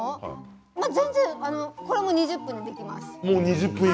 全然、これも２０分でできます。